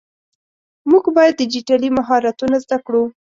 مونږ باید ډيجيټلي مهارتونه زده کړو.